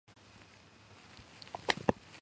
პროვინციის ადმინისტრაციული ცენტრია ქალაქი ყანდაარი.